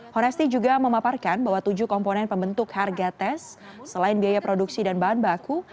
honesty juga memaparkan bahwa tujuh komponen pembentuk harga tes selain biaya produksi dan bahan baku